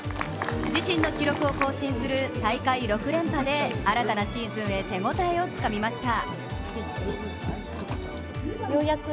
自身の記録を更新する大会６連覇で新たなシーズンへ手応えをつかみました。